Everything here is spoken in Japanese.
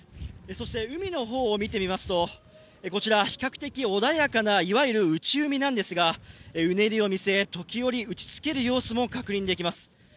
そして海の方を見てみますと比較的穏やかな、いわゆる内海なんですが、うねりを見せ時折、打ちつける様子も確認できます。